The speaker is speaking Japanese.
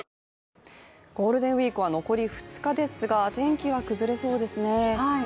ゴールデンウイークは残り２日ですが、天気は崩れそうですね。